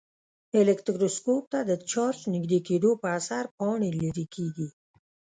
الکتروسکوپ ته د چارج نژدې کېدو په اثر پاڼې لیري کیږي.